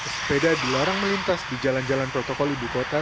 sepeda dilarang melintas di jalan jalan protokol udukota